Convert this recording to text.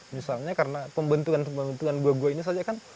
misalnya karena pembentukan pembentukan gua gua ini saja kan